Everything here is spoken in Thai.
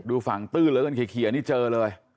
ดูฝั่งตื้นเหลือเกินเคลียร์นี่เจอเลย